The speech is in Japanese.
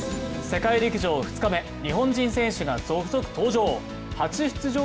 世界陸上２日目、日本人選手が続々登場。